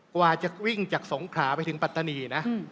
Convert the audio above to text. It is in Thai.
กว่าจะวิ่งจากสงขลาไปถึงปัตตานีนะ